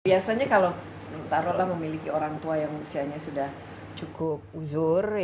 biasanya kalau taruhlah memiliki orang tua yang usianya sudah cukup uzur